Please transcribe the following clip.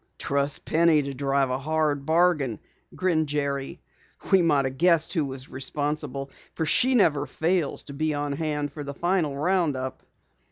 "Trust Penny to drive a hard bargain," grinned Jerry. "We might have guessed who was responsible, for she never fails to be on hand for the final round up."